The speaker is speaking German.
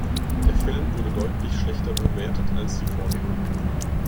Der Film wurde deutlich schlechter bewertet als die Vorgänger.